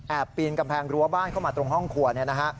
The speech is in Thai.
ปีนกำแพงรั้วบ้านเข้ามาตรงห้องครัวเนี่ยนะฮะ